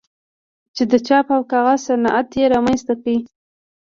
چې د چاپ او کاغذ صنعت یې رامنځته کړ.